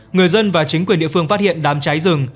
người dân và chính quyền địa phương phát hiện đám cháy rừng